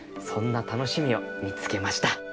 そんなたのしみをみつけました。